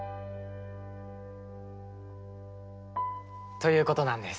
ということなんです。